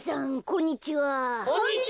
こんにちは。